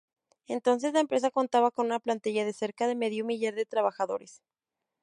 Entonces la empresa contaba con una plantilla de cerca de medio millar de trabajadores.